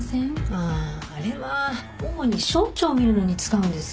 あああれは主に小腸をみるのに使うんです。